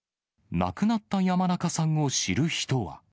亡くなった山中さんを知る人は。